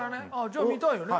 じゃあ見たいよね。